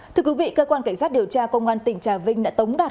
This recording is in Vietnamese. thưa quý vị cơ quan cảnh sát điều tra công an tỉnh trà vinh đã tống đạt